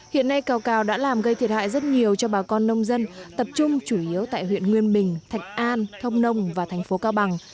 hiện nay cao cào đã làm gây thiệt hại rất nhiều cho bà con nông dân tập trung chủ yếu tại huyện nguyên bình thạch an thông nông và thành phố cao bằng